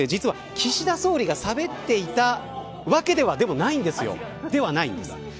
岸田総理がしゃべっていたわけではないんです。